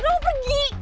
lo mau pergi